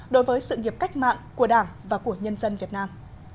đối với sự nghiệp cách mạng của đảng và của nhân dân việt nam